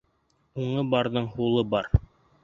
Уңы барҙың һулы бар.